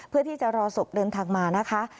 เพื่อที่จะรอศพเดินทางมานะคะ